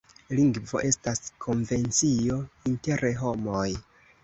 Lingvo estas konvencio inter homoj.